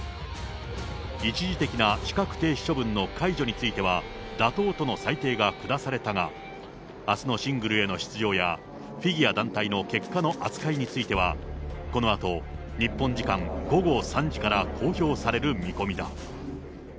一時的な資格停止処分の解除については、妥当との裁定が下されたが、あすのシングルへの出場や、フィギュア団体の結果の扱いについては、このあと、日本時間午後３時から公表される見込みだ。